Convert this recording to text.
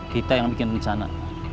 kita yang bikin rucana